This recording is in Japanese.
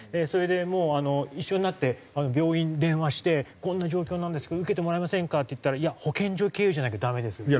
それでもう一緒になって病院に電話して「こんな状況なんですけど受けてもらえませんか？」って言ったら「いや保健所経由じゃなきゃダメです」。